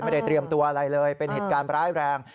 เตรียมตัวอะไรเลยเป็นเหตุการณ์ร้ายแรง